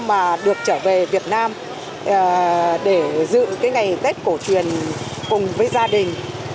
mà được trở về việt nam để giữ cái ngày tết cổ truyền cùng với gia đình